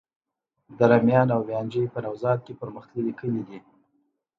دره میان او ميانجوی په نوزاد کي پرمختللي کلي دي.